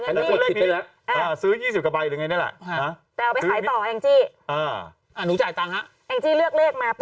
พี่ซื้อฉบับนี้มา